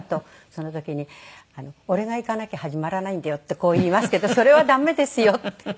その時に「俺が行かなきゃ始まらないんだよ」ってこう言いますけどそれは駄目ですよって。